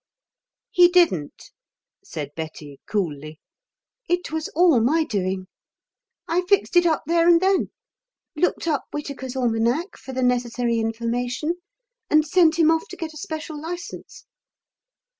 "He didn't" said Betty, coolly. "It was all my doing. I fixed it up there and then. Looked up Whitaker's Almanack for the necessary information, and sent him off to get a special license."